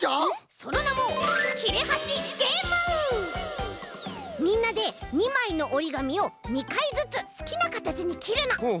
そのなもみんなで２まいのおりがみを２かいずつすきなかたちにきるの！